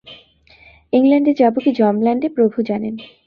ইংলণ্ডে যাব কি যমল্যাণ্ডে, প্রভু জানেন।